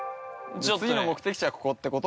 次の目的地はここってこと。